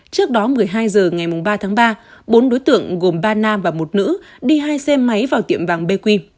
trước đó một mươi hai h ngày ba tháng ba bốn đối tượng gồm ba nam và một nữ đi hai xe máy vào tiệm vàng bq